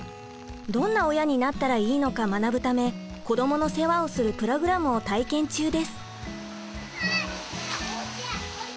どんな親になったらいいのか学ぶため子どもの世話をするプログラムを体験中です。